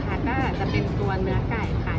ก็อาจจะเป็นตัวเนื้อกลายค่ะ